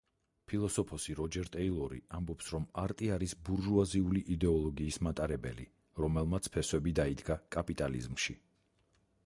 ფილოსოფოსი როჯერ ტეილორი ამბობს რომ არტი არის ბურჟუაზიული იდეოლოგიის მატარებელი, რომელმაც ფესვები დაიდგა კაპიტალიზმში.